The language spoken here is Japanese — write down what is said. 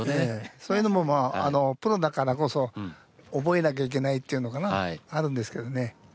それでもまあプロだからこそ覚えなきゃいけないっていうのかなあるんですけどね。